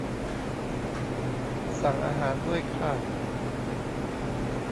สั่งอาหารด้วยค่ะ